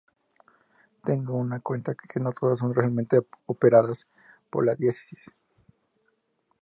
Tenga en cuenta que no todas son realmente operadas por la Diócesis.